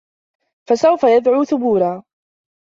فَسَوفَ يَدعو ثُبورًا